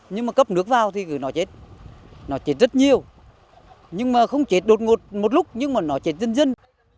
nhưng mà cấp nước vào thì nó chết nó chết rất nhiều nhưng mà không chết đột ngột một lúc nhưng mà nó chết dân